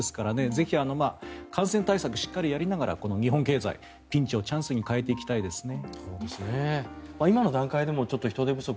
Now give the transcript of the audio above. ぜひ、感染対策をしっかりやりながらこの日本経済ピンチをチャンスに変えていきたいですね。